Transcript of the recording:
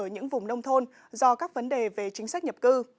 ở những vùng nông thôn do các vấn đề về chính sách nhập cư